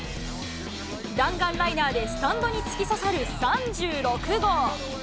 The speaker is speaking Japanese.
弾丸ライナーでスタンドに突き刺さる３６号。